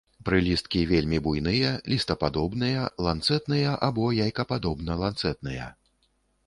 Прылісткі вельмі буйныя, лістападобныя, ланцэтныя або яйкападобна-ланцэтныя.